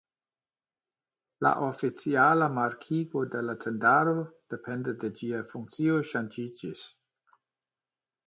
La oficiala markigo de la tendaro depende de ĝia funkcio ŝanĝiĝis.